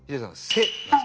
「せ」。